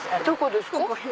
どこですか？